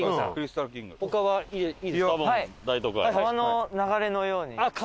『川の流れのように』ね。